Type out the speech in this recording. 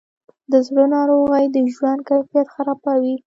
د زړه ناروغۍ د ژوند کیفیت خرابوي.